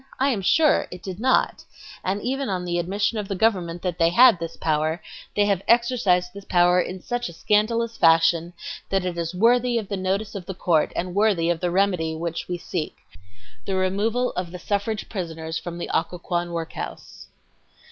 I am sure it did not, and even on the admission of the government that they had the power, they have exercised this power in such a scandalous fashion that it is worthy of the notice of the court and worthy of the remedy which we seek—the removal of the suffrage prisoners from the Occoquan workhouse."